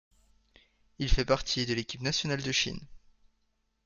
Il fait partie de l'équipe nationale de Chine.